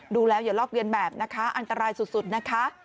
ดูแล้วอย่าลอกเรียนแบบนะคะอันตรายสุดนะคะ